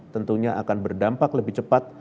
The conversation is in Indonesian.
tentunya akan berdampak lebih cepat